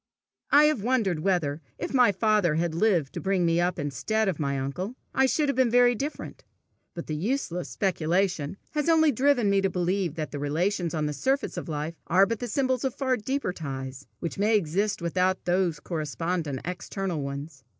I have wondered whether, if my father had lived to bring me up instead of my uncle, I should have been very different; but the useless speculation has only driven me to believe that the relations on the surface of life are but the symbols of far deeper ties, which may exist without those correspondent external ones.